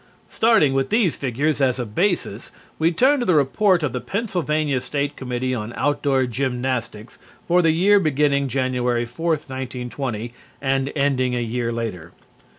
Starting with these figures as a basis, we turn to the report of the Pennsylvania State Committee on Outdoor Gymnastics for the year beginning January 4th, 1920, and ending a year later.